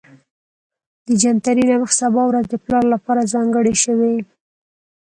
د جنتري له مخې سبا ورځ د پلار لپاره ځانګړې شوې